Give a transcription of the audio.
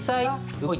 はい。